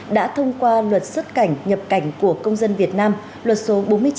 đã thông qua luật xuất cảnh nhập cảnh của công dân việt nam luật số bốn mươi chín